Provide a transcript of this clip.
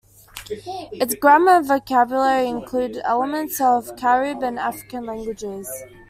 Its grammar and vocabulary include elements of Carib and African languages.